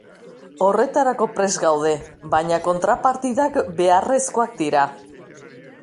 Horretarako prest gaude, baina kontrapartidak beharrezkoak dira.